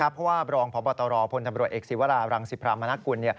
เพราะว่ารองพบตรพลตำรวจเอกศิวรารังสิพรามนกุล